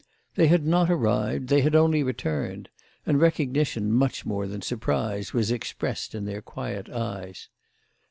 They had not arrived, they had only returned; and recognition much more than surprise was expressed in their quiet eyes.